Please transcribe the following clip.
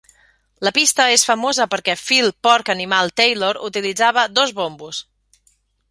La pista és famosa perquè Phil "Porc animal" Taylor utilitzava dos bombos.